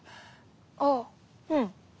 ああうん。